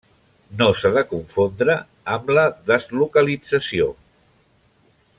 No s'ha de confondre amb la deslocalització.